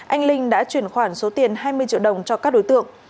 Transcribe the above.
anh linh đã chuyển khoản số tiền hai mươi triệu đồng cho các đối tượng